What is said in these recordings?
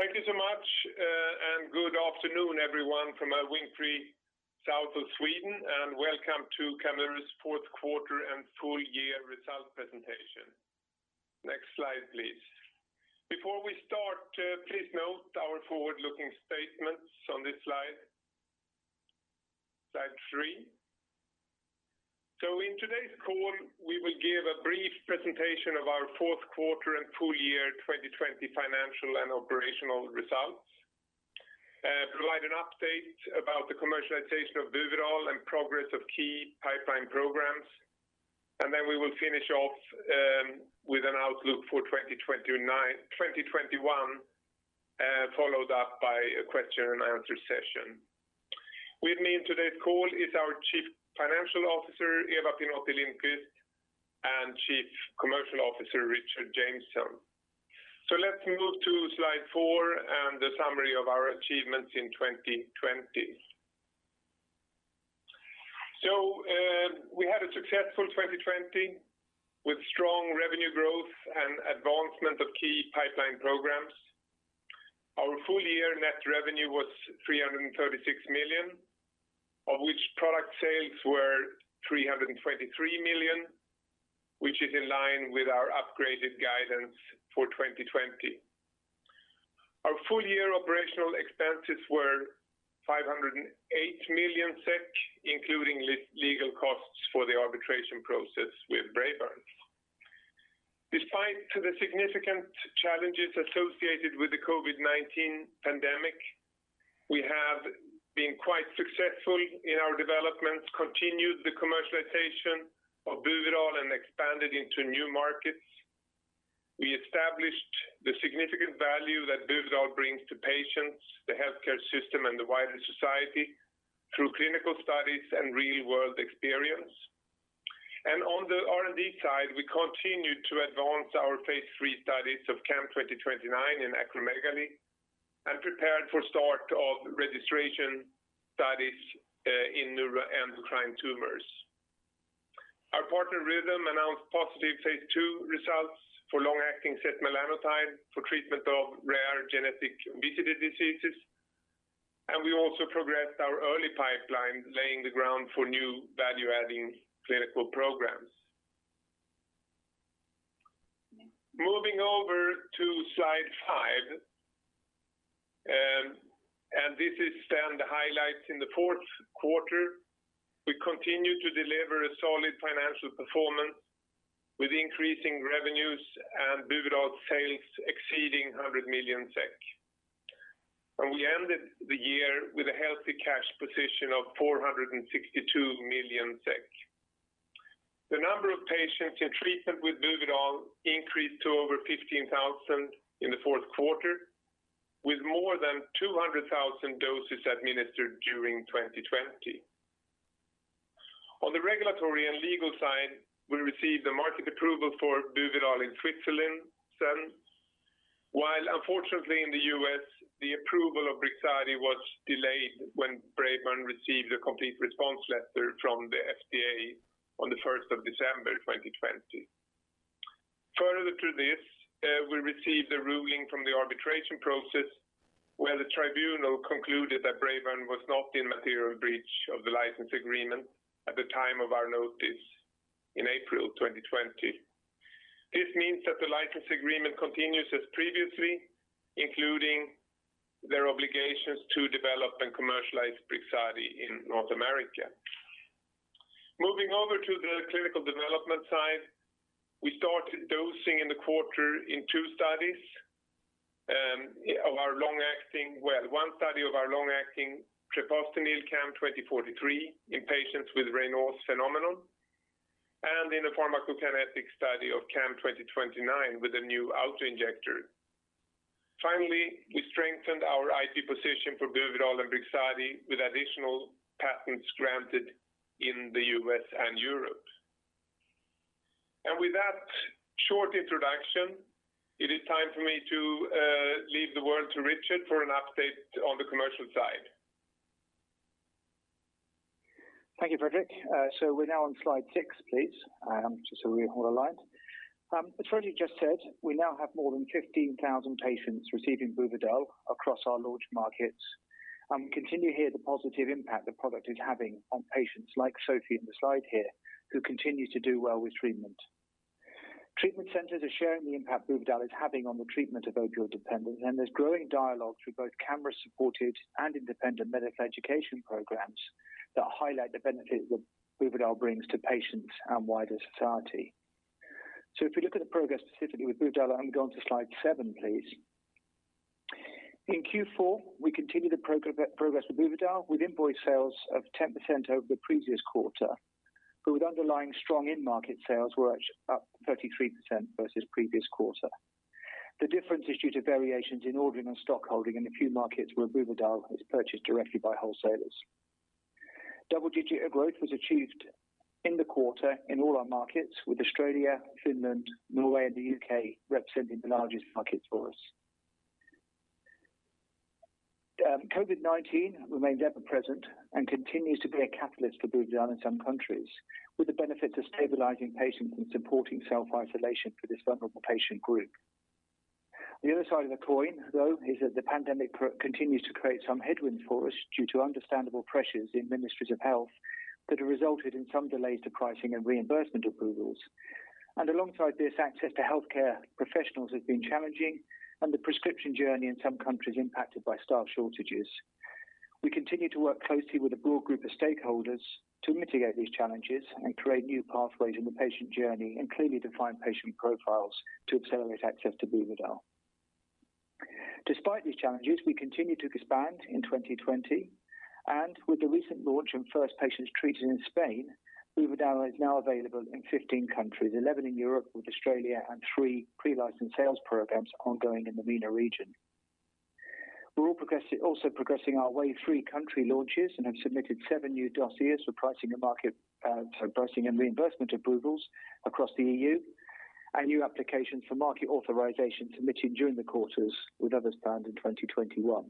Thank you so much. Good afternoon, everyone, from a wintry, south of Sweden. Welcome to Camurus' fourth quarter and full year results presentation. Next slide, please. Before we start, please note our forward-looking statements on this slide. Slide three. In today's call, we will give a brief presentation of our fourth quarter and full year 2020 financial and operational results, provide an update about the commercialization of Buvidal and progress of key pipeline programs. We will finish off with an outlook for 2021, followed up by a question and answer session. With me in today's call is our Chief Financial Officer, Eva Pinotti-Lindqvist, and Chief Commercial Officer, Richard Jameson. Let's move to slide four and the summary of our achievements in 2020. We had a successful 2020 with strong revenue growth and advancement of key pipeline programs. Our full-year net revenue was 336 million, of which product sales were 323 million, which is in line with our upgraded guidance for 2020. Our full-year operational expenses were 508 million SEK, including legal costs for the arbitration process with Braeburn. Despite the significant challenges associated with the COVID-19 pandemic, we have been quite successful in our developments, continued the commercialization of Buvidal, expanded into new markets. We established the significant value that Buvidal brings to patients, the healthcare system, and the wider society through clinical studies and real-world experience. On the R&D side, we continued to advance our phase III studies of CAM2029 in acromegaly and prepared for start of registration studies in neuroendocrine tumors. Our partner, Rhythm, announced positive phase II results for long-acting setmelanotide for treatment of rare genetic obesity disorders. We also progressed our early pipeline, laying the ground for new value-adding clinical programs. Moving over to slide five, this is the highlights in the fourth quarter. We continued to deliver a solid financial performance with increasing revenues and Buvidal sales exceeding 100 million SEK. We ended the year with a healthy cash position of 462 million SEK. The number of patients in treatment with Buvidal increased to over 15,000 in the fourth quarter, with more than 200,000 doses administered during 2020. On the regulatory and legal side, we received a market approval for Buvidal in Switzerland, while unfortunately in the U.S., the approval of Brixadi was delayed when Braeburn received a complete response letter from the FDA on the 1st of December 2020. Further to this, we received a ruling from the arbitration process where the tribunal concluded that Braeburn was not in material breach of the license agreement at the time of our notice in April 2020. This means that the license agreement continues as previously, including their obligations to develop and commercialize Brixadi in North America. Moving over to the clinical development side, we started dosing in the quarter in two studies. One study of our long-acting treprostinil, CAM2043, in patients with Raynaud's phenomenon and in a pharmacokinetic study of CAM2029 with a new auto-injector. We strengthened our IP position for Buvidal and Brixadi with additional patents granted in the U.S. and Europe. With that short introduction, it is time for me to leave the word to Richard for an update on the commercial side. Thank you, Fredrik. We're now on slide six, please, just so we're all aligned. As Fredrik just said, we now have more than 15,000 patients receiving Brixadi across our launch markets and we continue to hear the positive impact the product is having on patients like Sophie in the slide here, who continue to do well with treatment. Treatment centers are sharing the impact Brixadi is having on the treatment of opioid dependence, and there's growing dialogue through both Camurus supported and independent medical education programs that highlight the benefits that Brixadi brings to patients and wider society. If we look at the progress specifically with Brixadi, and go on to slide seven, please. In Q4, we continued the progress with Brixadi with invoice sales of 10% over the previous quarter, but with underlying strong in-market sales were up 33% versus the previous quarter. The difference is due to variations in ordering and stockholding in a few markets where Buvidal is purchased directly by wholesalers. Double-digit growth was achieved in the quarter in all our markets, with Australia, Finland, Norway, and the U.K. representing the largest markets for us. COVID-19 remains ever present and continues to be a catalyst for Buvidal in some countries, with the benefits of stabilizing patients and supporting self-isolation for this vulnerable patient group. The other side of the coin, though, is that the pandemic continues to create some headwinds for us due to understandable pressures in ministries of health that have resulted in some delays to pricing and reimbursement approvals. Alongside this, access to healthcare professionals has been challenging and the prescription journey in some countries impacted by staff shortages. We continue to work closely with a broad group of stakeholders to mitigate these challenges and create new pathways in the patient journey and clearly define patient profiles to accelerate access to Buvidal. Despite these challenges, we continued to expand in 2020 and with the recent launch and first patients treated in Spain, Buvidal is now available in 15 countries, 11 in Europe, with Australia and three pre-licensed sales programs ongoing in the MENA region. We're also progressing our wave three country launches and have submitted seven new dossiers for pricing and reimbursement approvals across the EU, and new applications for market authorization submitted during the quarters, with others planned in 2021.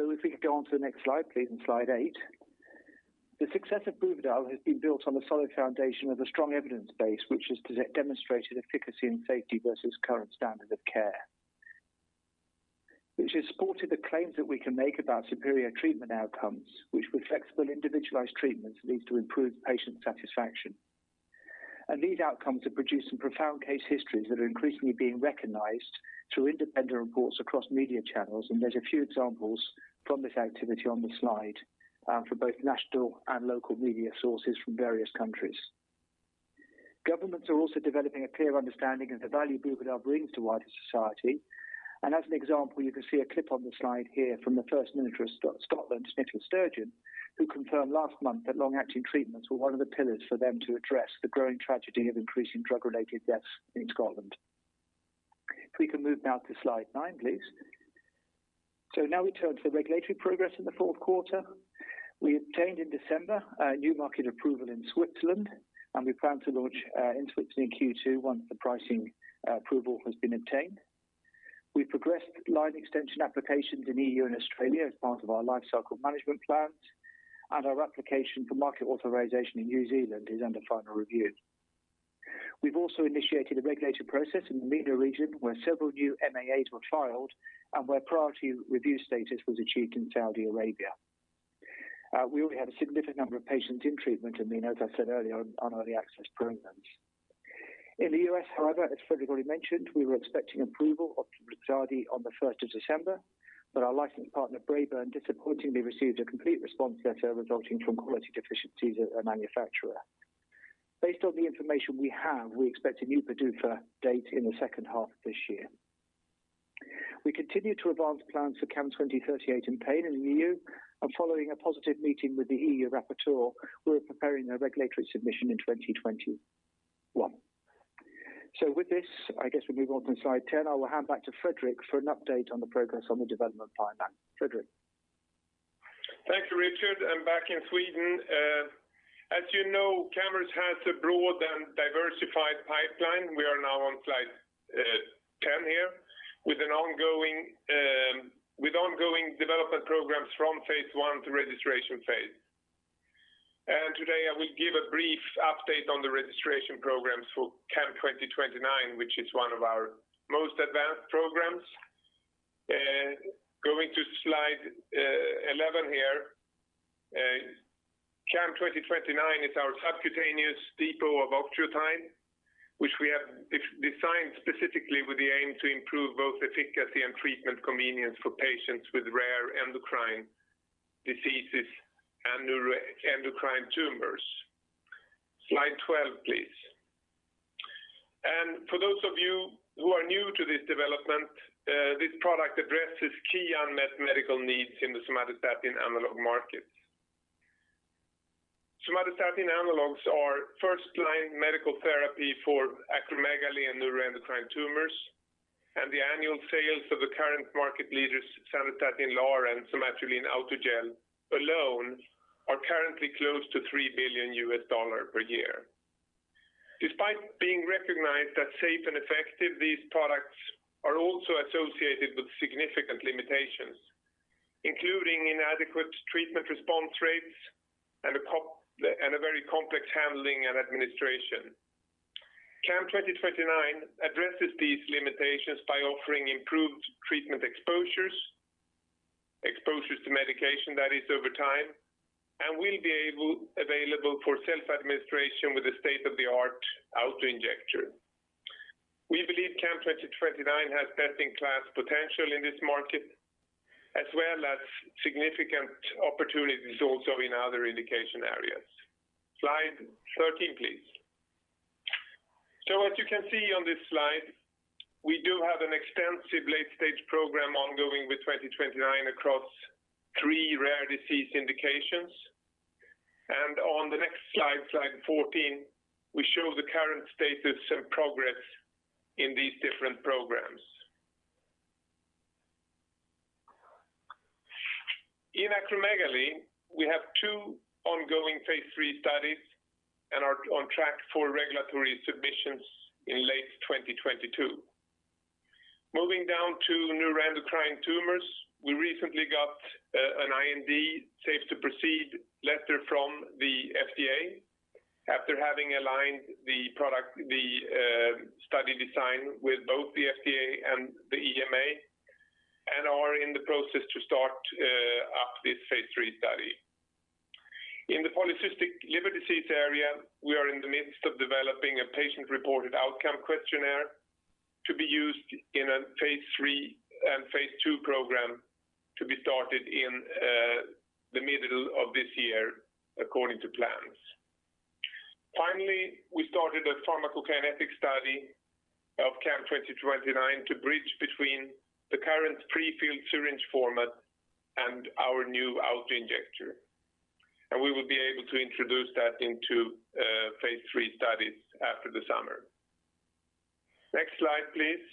If we could go on to the next slide, please, slide eight. The success of Buvidal has been built on the solid foundation of a strong evidence base, which has demonstrated efficacy and safety versus current standard of care. Which has supported the claims that we can make about superior treatment outcomes, which with flexible individualized treatments leads to improved patient satisfaction. These outcomes have produced some profound case histories that are increasingly being recognized through independent reports across media channels, and there's a few examples from this activity on this slide from both national and local media sources from various countries. Governments are also developing a clear understanding of the value Buvidal brings to wider society. As an example, you can see a clip on the slide here from the First Minister of Scotland, Nicola Sturgeon, who confirmed last month that long-acting treatments were one of the pillars for them to address the growing tragedy of increasing drug-related deaths in Scotland. If we can move now to slide nine, please. Now we turn to the regulatory progress in the fourth quarter. We obtained in December a new market approval in Switzerland. We plan to launch in Switzerland in Q2 once the pricing approval has been obtained. We progressed line extension applications in EU and Australia as part of our lifecycle management plans. Our application for market authorization in New Zealand is under final review. We've also initiated a regulatory process in the MENA region where several new MAAs were filed and where priority review status was achieved in Saudi Arabia. We already have a significant number of patients in treatment in MENA, as I said earlier, on early access programs. In the U.S., however, as Fredrik already mentioned, we were expecting approval of Brixadi on the 1st of December, but our licensing partner, Braeburn, disappointingly received a complete response letter resulting from quality deficiencies at their manufacturer. Based on the information we have, we expect a new PDUFA date in the second half of this year. We continue to advance plans for CAM2038 in pain in the EU, and following a positive meeting with the EU rapporteur, we are preparing a regulatory submission in 2021. With this, I guess we move on to slide 10. I will hand back to Fredrik for an update on the progress on the development pipeline. Fredrik? Thank you, Richard. I'm back in Sweden. As you know, Camurus has a broad and diversified pipeline. We are now on slide 10 here with ongoing development programs from phase I to registration phase. Today I will give a brief update on the registration programs for CAM2029, which is one of our most advanced programs. Going to slide 11 here. CAM2029 is our subcutaneous depot of octreotide, which we have designed specifically with the aim to improve both efficacy and treatment convenience for patients with rare endocrine diseases and neuroendocrine tumors. Slide 12, please. For those of you who are new to this development, this product addresses key unmet medical needs in the somatostatin analog market. Somatostatin analogs are first-line medical therapy for acromegaly and neuroendocrine tumors, and the annual sales of the current market leaders, Sandostatin LAR and Somatuline Autogel alone are currently close to $3 billion per year. Despite being recognized as safe and effective, these products are also associated with significant limitations, including inadequate treatment response rates and a very complex handling and administration. CAM2029 addresses these limitations by offering improved treatment exposures to medication that is over time, and will be available for self-administration with a state-of-the-art auto-injector. We believe CAM2029 has best-in-class potential in this market, as well as significant opportunities also in other indication areas. Slide 13, please. As you can see on this slide, we do have an extensive late-stage program ongoing with 2029 across three rare disease indications. On the next slide 14, we show the current status and progress in these different programs. In acromegaly, we have two ongoing phase III studies and are on track for regulatory submissions in late 2022. Moving down to neuroendocrine tumors, we recently got an IND safe to proceed letter from the FDA after having aligned the study design with both the FDA and the EMA, and are in the process to start up this phase III study. In the polycystic liver disease area, we are in the midst of developing a patient-reported outcome questionnaire to be used in a phase III and phase II program to be started in the middle of this year according to plans. Finally, we started a pharmacokinetic study of CAM2029 to bridge between the current pre-filled syringe format and our new auto-injector. We will be able to introduce that into phase III studies after the summer. Next slide, please.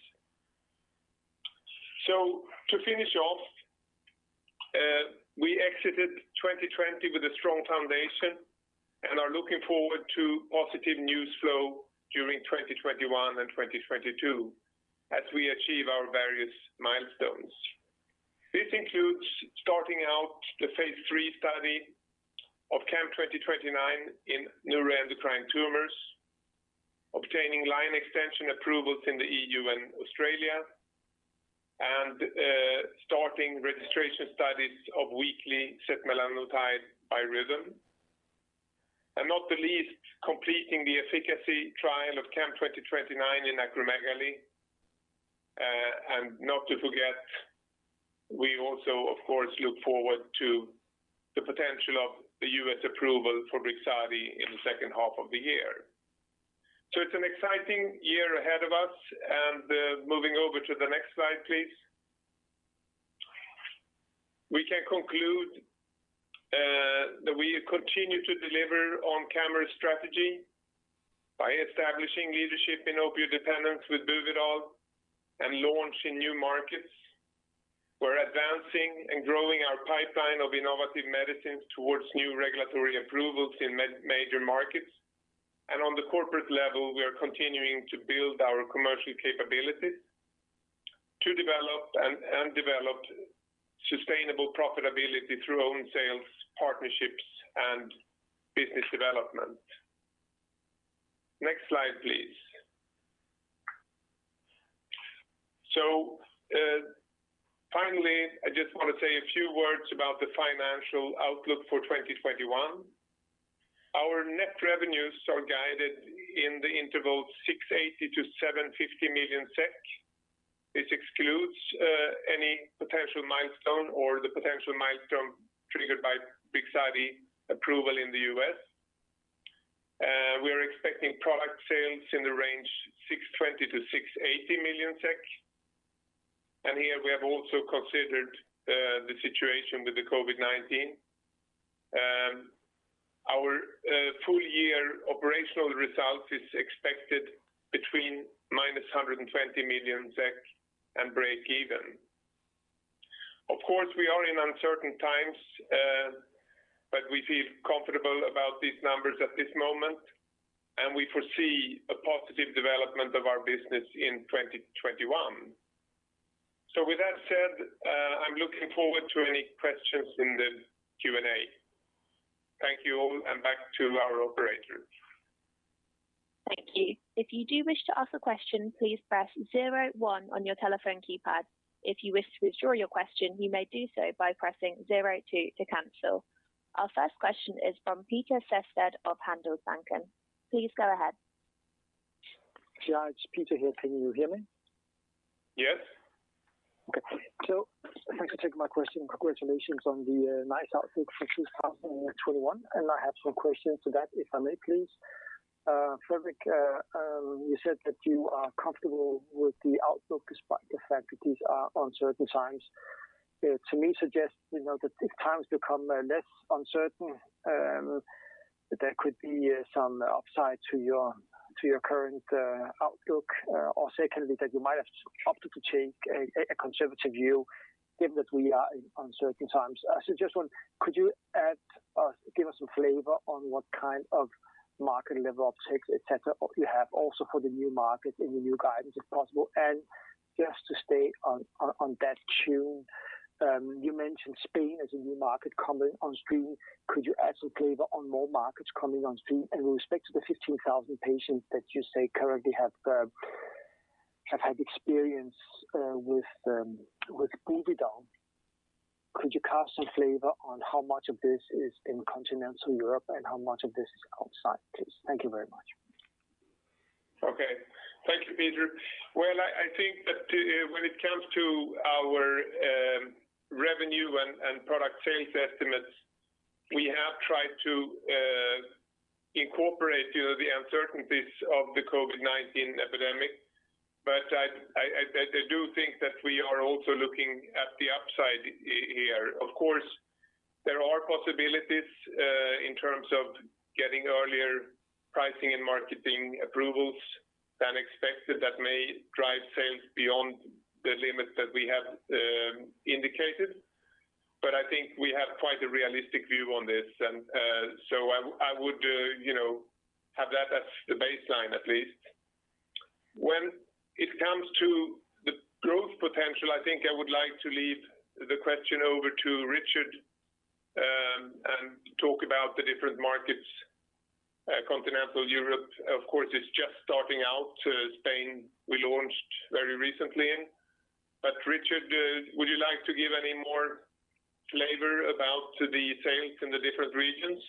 To finish off, we exited 2020 with a strong foundation and are looking forward to positive news flow during 2021 and 2022 as we achieve our various milestones. This includes starting out the phase III study of CAM2029 in neuroendocrine tumors, obtaining line extension approvals in the EU and Australia, and starting registration studies of weekly setmelanotide by Rhythm. Not the least, completing the efficacy trial of CAM2029 in acromegaly. Not to forget, we also, of course, look forward to the potential of the U.S. approval for Brixadi in the second half of the year. It's an exciting year ahead of us and moving over to the next slide, please. We can conclude that we continue to deliver on Camurus' strategy by establishing leadership in opioid dependence with Buvidal and launching new markets. We're advancing and growing our pipeline of innovative medicines towards new regulatory approvals in major markets. On the corporate level, we are continuing to build our commercial capabilities to develop sustainable profitability through own sales, partnerships, and business development. Next slide, please. Finally, I just want to say a few words about the financial outlook for 2021. Our net revenues are guided in the interval 680 million-750 million SEK. This excludes any potential milestone or the potential milestone triggered by Brixadi approval in the U.S. We are expecting product sales in the range 620 million-680 million SEK, and here we have also considered the situation with the COVID-19. Our full-year operational results is expected between -120 million and breakeven. Of course, we are in uncertain times, but we feel comfortable about these numbers at this moment, and we foresee a positive development of our business in 2021. With that said, I'm looking forward to any questions in the Q&A. Thank you all, and back to our operator. Thank you. If you do wish to ask a question, please press zero one on your telephone keypad. If you wish to withdraw your question, you may do so by pressing zero two to cancel. Our first question is from Peter Sehested of Handelsbanken. Please go ahead. Yeah, it's Peter here. Can you hear me? Yes. Okay. Thanks for taking my question. Congratulations on the nice outlook for 2021. I have some questions to that, if I may please. Fredrik, you said that you are comfortable with the outlook despite the fact that these are uncertain times. To me, suggests that if times become less uncertain, there could be some upside to your current outlook. Secondly, that you might have opted to take a conservative view given that we are in uncertain times. I suggest one, could you give us some flavor on what kind of market level upsets et cetera you have also for the new market and the new guidance, if possible? Just to stay on that tune, you mentioned Spain as a new market coming on stream. Could you add some flavor on more markets coming on stream? With respect to the 15,000 patients that you say currently have had experience with Buvidal, could you cast some flavor on how much of this is in continental Europe and how much of this is outside, please? Thank you very much. Okay. Thank you, Peter. Well, I think that when it comes to our revenue and product sales estimates, we have tried to incorporate the uncertainties of the COVID-19 epidemic. I do think that we are also looking at the upside here. Of course, there are possibilities in terms of getting earlier pricing and marketing approvals than expected that may drive sales beyond the limits that we have indicated. I think we have quite a realistic view on this. I would have that as the baseline at least. When it comes to the growth potential, I think I would like to leave the question over to Richard and talk about the different markets. Continental Europe, of course, is just starting out. Spain, we launched very recently in. Richard, would you like to give any more flavor about the sales in the different regions?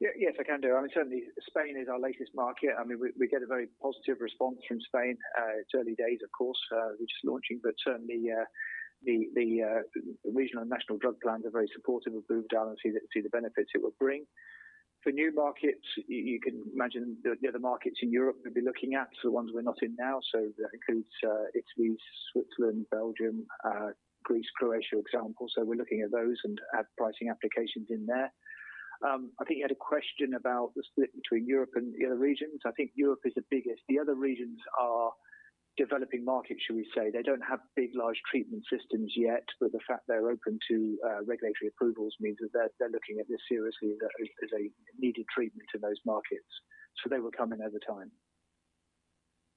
Yes, I can do. Certainly Spain is our latest market. We get a very positive response from Spain. It's early days, of course. We're just launching. Certainly the regional and national drug plans are very supportive of Buvidal and see the benefits it will bring. For new markets, you can imagine the other markets in Europe we'd be looking at, so the ones we're not in now. That includes Italy, Switzerland, Belgium, Greece, Croatia, for example. We're looking at those and at pricing applications in there. I think you had a question about the split between Europe and the other regions. I think Europe is the biggest. The other regions are developing markets, shall we say. They don't have big, large treatment systems yet. The fact they're open to regulatory approvals means that they're looking at this seriously as a needed treatment in those markets. They will come in over time.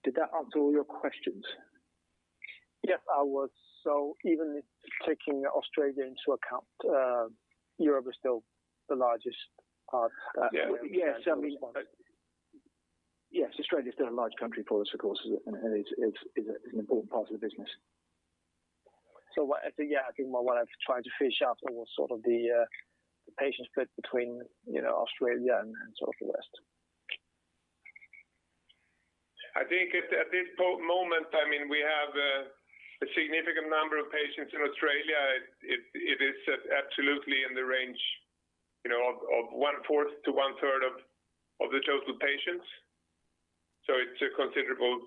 Did that answer all your questions? Yes, I was. Even taking Australia into account, Europe is still the largest part. Yeah. Yes. Australia is still a large country for us, of course, and it's an important part of the business. I think what I've tried to fish out was sort of the patient split between Australia and sort of the West. I think at this moment, we have a significant number of patients in Australia. It is absolutely in the range of one fourth to one third of the total patients. It's a considerable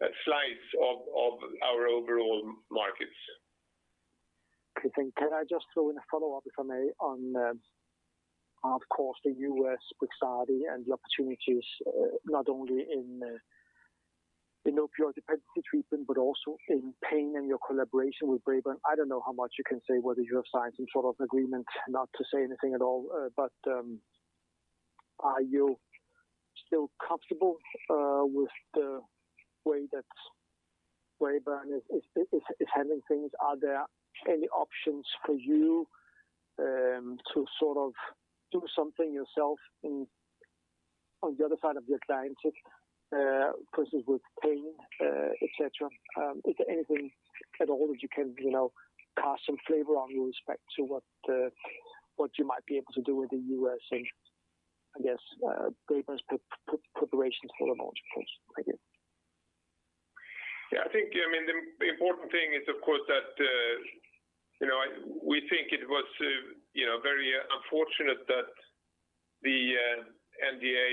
slice of our overall markets. Okay. Can I just throw in a follow-up, if I may, on of course, the U.S. Brixadi and the opportunities not only in opioid dependence treatment, but also in pain and your collaboration with Braeburn. I don't know how much you can say, whether you have signed some sort of agreement not to say anything at all. Are you still comfortable with the way that Braeburn is handling things? Are there any options for you to sort of do something yourself on the other side of your clientele purposes with pain, et cetera? Is there anything at all that you can cast some flavor on with respect to what you might be able to do with the U.S. and, I guess Braeburn's preparations for launch, please? Thank you. Yeah, I think the important thing is, of course, that we think it was very unfortunate that the NDA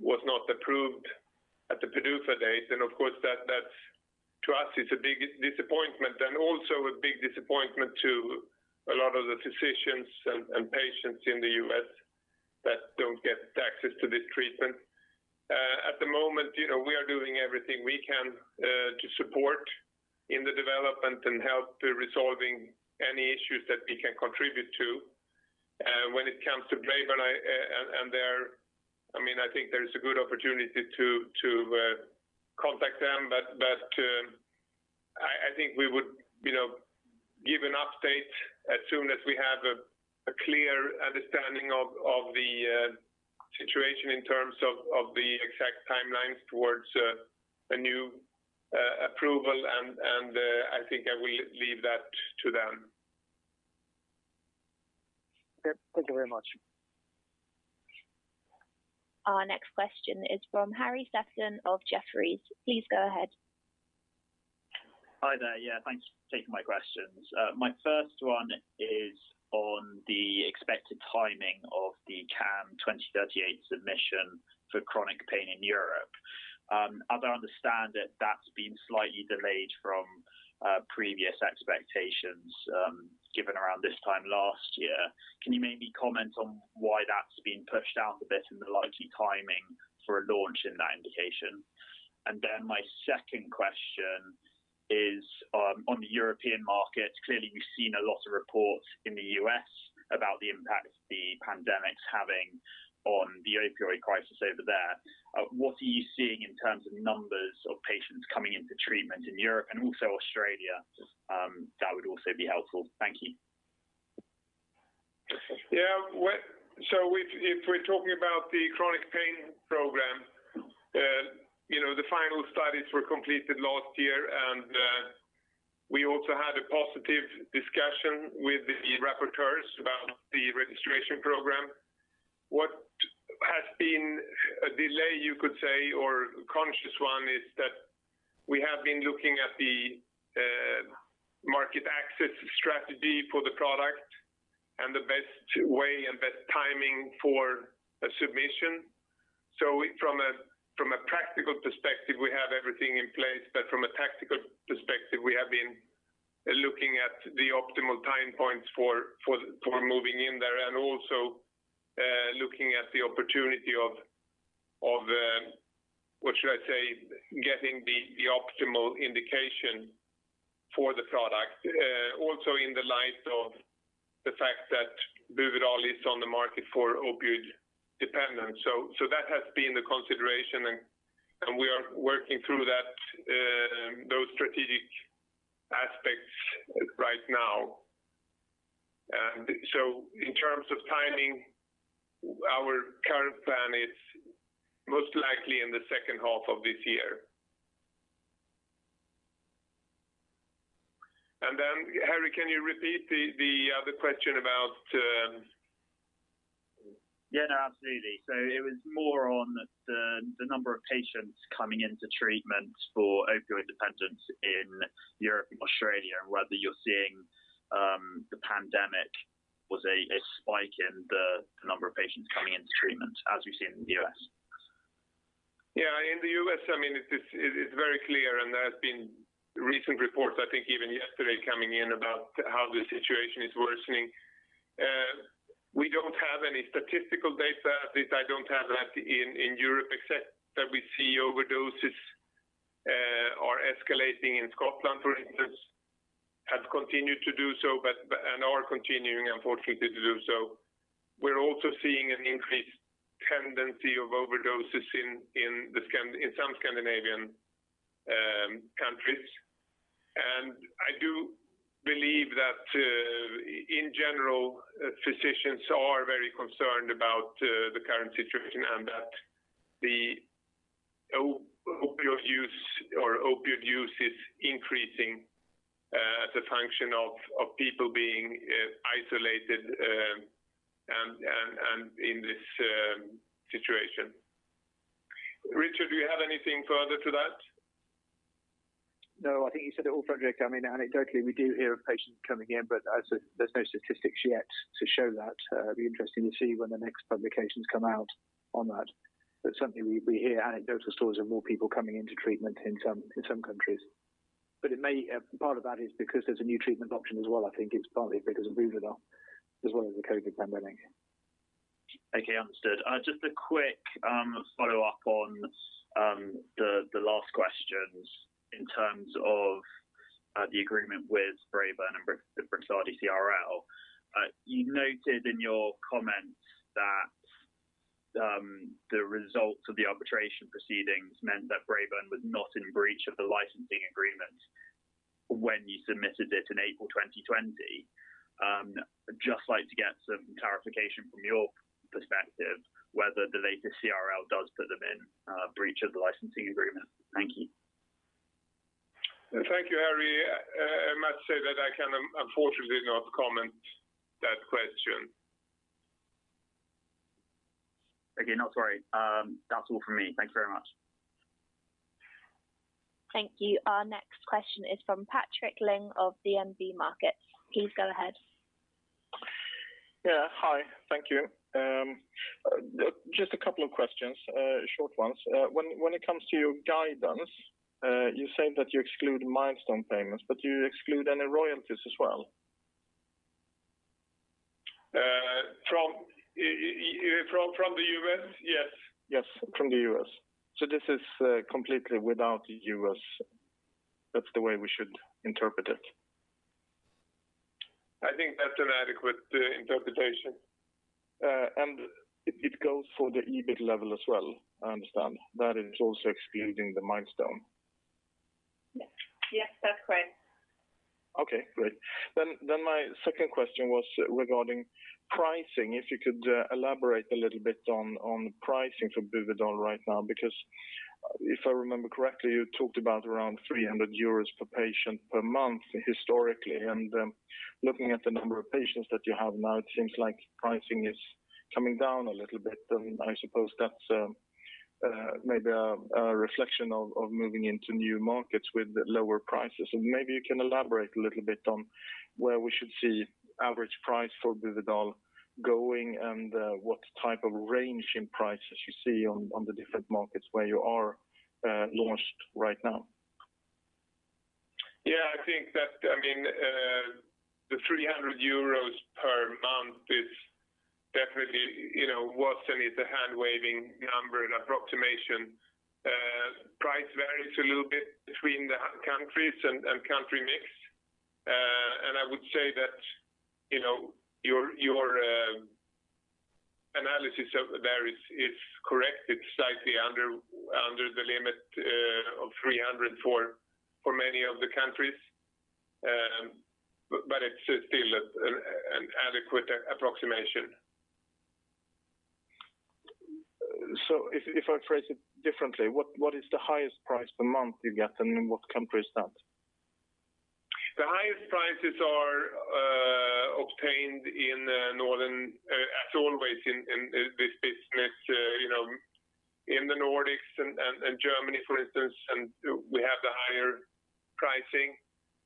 was not approved at the PDUFA date. Of course, that to us is a big disappointment and also a big disappointment to a lot of the physicians and patients in the U.S. that don't get access to this treatment. At the moment, we are doing everything we can to support in the development and help to resolving any issues that we can contribute to. When it comes to Braeburn, I think there's a good opportunity to contact them. I think we would give an update as soon as we have a clear understanding of the situation in terms of the exact timelines towards a new approval, and I think I will leave that to them. Yep. Thank you very much. Our next question is from Harry Sephton of Jefferies. Please go ahead. Hi there. Yeah, thanks for taking my questions. My first one is on the expected timing of the CAM2038 submission for chronic pain in Europe. As I understand it, that's been slightly delayed from previous expectations given around this time last year. Can you maybe comment on why that's been pushed out a bit and the likely timing for a launch in that indication? My second question is on the European market. Clearly, we've seen a lot of reports in the U.S. about the impact the pandemic's having on the opioid crisis over there. What are you seeing in terms of numbers of patients coming into treatment in Europe and also Australia? That would also be helpful. Thank you. Yeah. If we're talking about the chronic pain program, the final studies were completed last year, and we also had a positive discussion with the EU rapporteur about the registration program. What has been a delay, you could say, or a conscious one, is that we have been looking at the market access strategy for the product and the best way and best timing for a submission. From a practical perspective, we have everything in place, but from a tactical perspective, we have been looking at the optimal time points for moving in there and also looking at the opportunity of, what should I say, getting the optimal indication for the product. Also in the light of the fact that Buvidal is on the market for opioid dependence. That has been the consideration, and we are working through those strategic aspects right now. In terms of timing, our current plan is most likely in the second half of this year. Harry, can you repeat the other question? Yeah, absolutely. It was more on the number of patients coming into treatment for opioid dependence in Europe and Australia, and whether you're seeing the pandemic was a spike in the number of patients coming into treatment, as we've seen in the U.S. In the U.S., it's very clear, there's been recent reports, I think even yesterday, coming in about how the situation is worsening. We don't have any statistical data. At least I don't have that in Europe, except that we see overdoses are escalating in Scotland, for instance. Overdoses have continued to do so and are continuing, unfortunately, to do so. We're also seeing an increased tendency of overdoses in some Scandinavian countries. I do believe that, in general, physicians are very concerned about the current situation and that the opioid use is increasing as a function of people being isolated and in this situation. Richard, do you have anything further to that? No, I think you said it all, Fredrik. Anecdotally, we do hear of patients coming in, but there's no statistics yet to show that. It'll be interesting to see when the next publications come out on that. Certainly, we hear anecdotal stories of more people coming into treatment in some countries. Part of that is because there's a new treatment option as well. I think it's partly because of Buvidal as well as the COVID pandemic. Okay, understood. Just a quick follow-up on the last questions in terms of the agreement with Braeburn and the Brixadi CRL. You noted in your comments that the results of the arbitration proceedings meant that Braeburn was not in breach of the licensing agreement when you submitted it in April 2020. Just like to get some clarification from your perspective whether the latest CRL does put them in breach of the licensing agreement. Thank you. Thank you, Harry. I must say that I can unfortunately not comment that question. Okay. No, sorry. That's all from me. Thank you very much. Thank you. Our next question is from Patrik Ling of DNB Markets. Please go ahead. Yeah. Hi. Thank you. Just a couple of questions, short ones. When it comes to your guidance, you say that you exclude milestone payments, but do you exclude any royalties as well? From the U.S.? Yes. Yes, from the U.S. This is completely without U.S. That's the way we should interpret it? I think that's an adequate interpretation. It goes for the EBIT level as well, I understand. That is also excluding the milestone. Yes. That's correct. Okay, great. My second question was regarding pricing. If you could elaborate a little bit on pricing for Buvidal right now, because if I remember correctly, you talked about around 300 euros per patient per month historically, and looking at the number of patients that you have now, it seems like pricing is coming down a little bit. I suppose that's maybe a reflection of moving into new markets with lower prices. Maybe you can elaborate a little bit on where we should see average price for Buvidal going and what type of range in prices you see on the different markets where you are launched right now. Yeah, I think that the 300 euros per month definitely wasn't it a hand-waving number and approximation. Price varies a little bit between the countries and country mix. I would say that your analysis there is correct. It's slightly under the limit of 300 for many of the countries. It's still an adequate approximation. If I phrase it differently, what is the highest price per month you get, and in what country is that? The highest prices are obtained in Northern, as always in this business. In the Nordics and Germany, for instance, we have the higher pricing,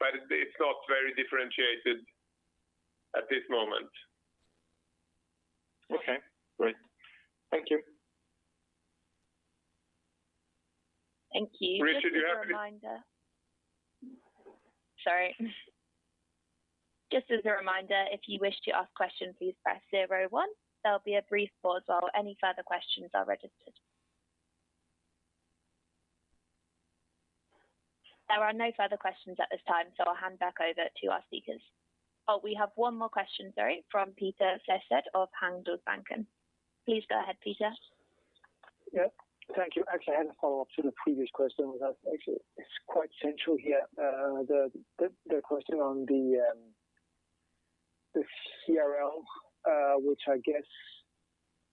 but it is not very differentiated at this moment. Okay, great. Thank you. Thank you. Richard, you're up next. Just as a reminder. Sorry. Just as a reminder, if you wish to ask questions, please press zero one. There'll be a brief pause while any further questions are registered. There are no further questions at this time, I'll hand back over to our speakers. Oh, we have one more question, sorry. From Peter Sehested of Handelsbanken. Please go ahead, Peter. Yeah. Thank you. Actually, I had a follow-up to the previous question that actually is quite central here. The question on the CRL, which I guess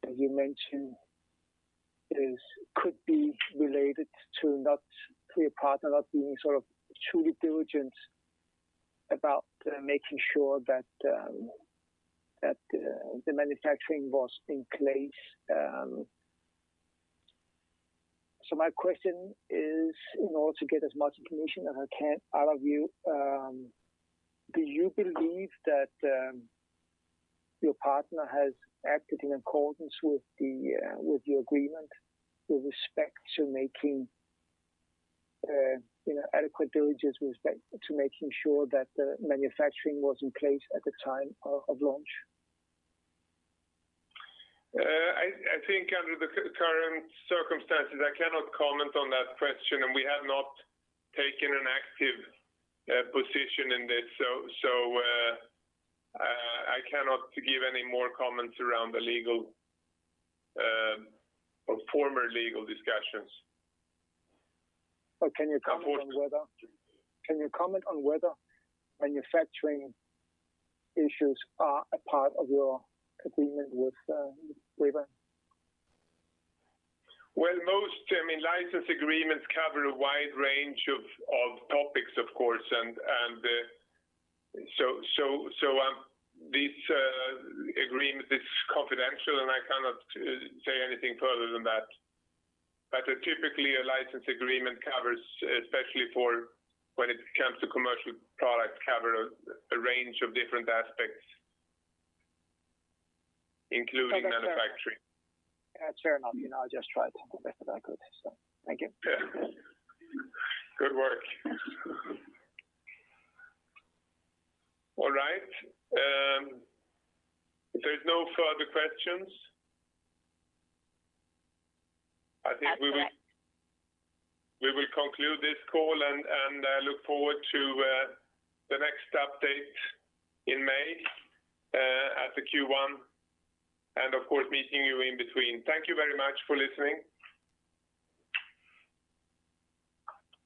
as you mentioned could be related to your partner not being truly diligent about making sure that the manufacturing was in place. My question is, in order to get as much information as I can out of you, do you believe that your partner has acted in accordance with the agreement with respect to making adequate diligence, with respect to making sure that the manufacturing was in place at the time of launch? I think under the current circumstances, I cannot comment on that question, and we have not taken an active position in this. I cannot give any more comments around the former legal discussions. Can you comment on whether manufacturing issues are a part of your agreement with Braeburn? Well, most license agreements cover a wide range of topics, of course. This agreement is confidential, and I cannot say anything further than that. Typically, a license agreement, especially when it comes to commercial products, covers a range of different aspects, including manufacturing. Fair enough. I just tried the best that I could, so thank you. Yeah. Good work. All right. If there's no further questions, I think we will conclude. At the next- We will conclude this call and look forward to the next update in May at the Q1, and of course, meeting you in between. Thank you very much for listening.